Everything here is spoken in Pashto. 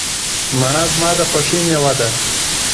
مڼه زما د خوښې مېوه ده.